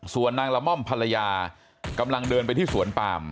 ส่วนนางละม่อมภรรยากำลังเดินไปที่สวนปาม